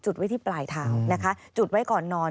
ไว้ที่ปลายเท้านะคะจุดไว้ก่อนนอน